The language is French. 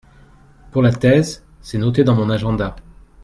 pour la thèse, c'est noté dans mon agenda.